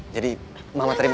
jadi mama terima